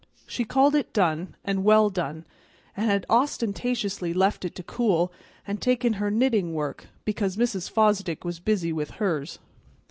She called it done, and well done, and had ostentatiously left it to cool, and taken her knitting work because Mrs. Fosdick was busy with hers.